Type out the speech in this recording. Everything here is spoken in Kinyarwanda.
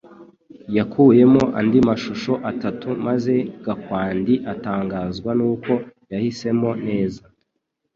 Yakuyemo andi mashusho atatu, maze Gakwandi atangazwa nuko yahisemo neza